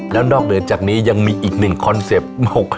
แล้วนอกเหนือจากนี้ยังมีอีกหนึ่งคอนเซ็ปต์